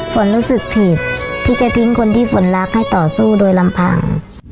รู้สึกผิดที่จะทิ้งคนที่ฝนรักให้ต่อสู้โดยลำพัง